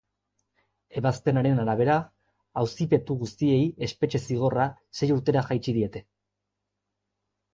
Ebazpenaren arabera, auzipetu guztiei espetxe-zigorra sei urtera jaitsi diete.